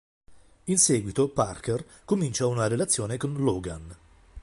In seguito Parker comincia una relazione con Logan.